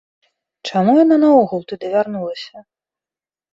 Чаму яна наогул туды вярнулася?